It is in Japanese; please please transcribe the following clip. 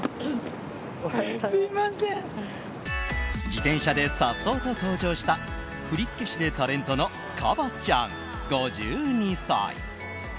自転車でさっそうと登場した振付師でタレントのＫＡＢＡ．ちゃん、５２歳。